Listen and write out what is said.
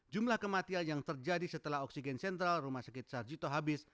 jumlah kematian yang terjadi setelah oksigen sentral rumah sakit sarjito habis